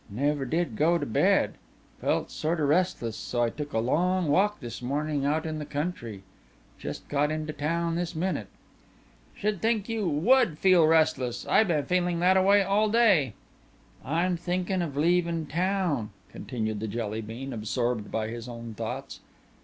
"Never did go to bed. Felt sorta restless, so I took a long walk this morning out in the country. Just got into town this minute." "Should think you would feel restless. I been feeling thataway all day " "I'm thinkin' of leavin' town," continued the Jelly bean, absorbed by his own thoughts.